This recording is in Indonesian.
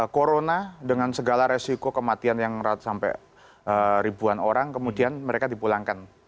corona dengan segala resiko kematian yang sampai ribuan orang kemudian mereka dipulangkan